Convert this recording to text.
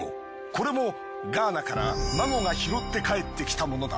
これもガーナからＭＡＧＯが拾って帰ってきたものだ。